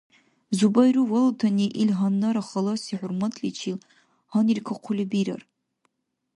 Зубайру валутани ил гьаннара халаси хӀурматличил гьаниркахъули бирар.